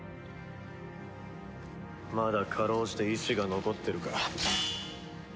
まだかろうじて意思が残ってるか。